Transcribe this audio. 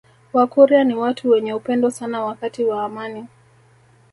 Wakurya ni watu wenye upendo sana wakati wa amani